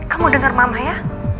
kamu denger mama ya